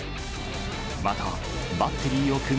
またバッテリーを組む